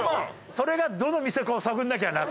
それがどの店かを探らなきゃな。